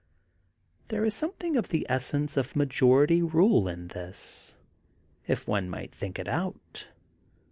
There is something of the essence of majority rule in this, if one might think it out.